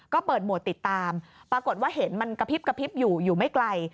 ก็เปิดหมวดติดตามปรากฏว่าเห็นมันกระพริบกระพริบอยู่อยู่ไม่ไกล